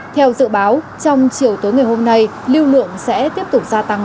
theo dự báo trong chiều tối ngày hôm nay lưu lượng sẽ tiếp tục gia tăng